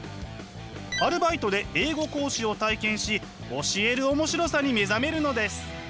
アルバイトで英語講師を体験し教える面白さに目覚めるのです。